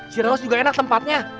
ciraos juga enak tempatnya